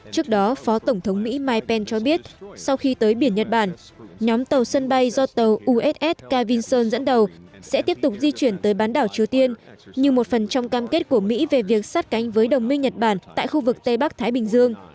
trước đó phó tổng thống mỹ mike pen cho biết sau khi tới biển nhật bản nhóm tàu sân bay do tàu uss ca vinson dẫn đầu sẽ tiếp tục di chuyển tới bán đảo triều tiên như một phần trong cam kết của mỹ về việc sát cánh với đồng minh nhật bản tại khu vực tây bắc thái bình dương